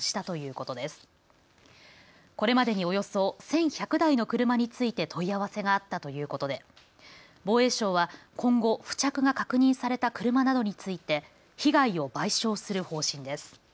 これまでにおよそ１１００台の車について問い合わせがあったということで防衛省は今後、付着が確認された車などについて被害を賠償する方針です。